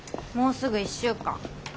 もうすぐ１週間。